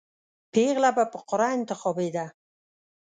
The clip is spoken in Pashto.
پېغله به په قرعه انتخابېده.